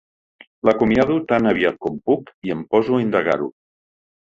L'acomiado tan aviat com puc i em poso a indagar-ho.